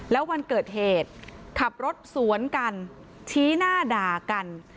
แล้ววันเกิดเหตุขับรถสวนกันชี้หน้าด่ากัน